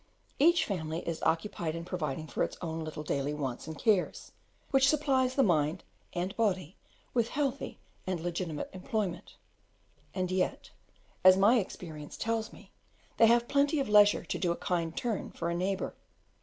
Each family is occupied in providing for its own little daily wants and cares, which supplies the mind and body with healthy and legitimate employment, and yet, as my experience tells me, they have plenty of leisure to do a kind turn for a neighbour.